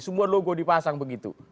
semua logo dipasang begitu